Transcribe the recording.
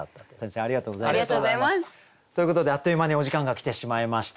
ありがとうございます！ということであっという間にお時間が来てしまいました。